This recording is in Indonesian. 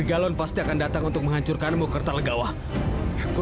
hanya adanya suatu pengguna kembali keetteor